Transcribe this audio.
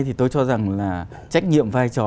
thì tôi cho rằng là trách nhiệm vai trò